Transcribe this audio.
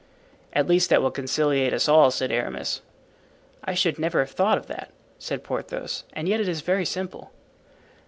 "At least that will conciliate us all," said Aramis. "I should never have thought of that," said Porthos, "and yet it is very simple."